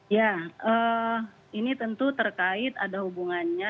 ya ini tentu terkait ada hubungannya